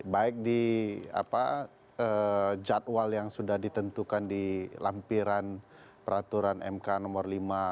baik di jadwal yang sudah ditentukan di lampiran peraturan mk nomor lima dua ribu delapan belas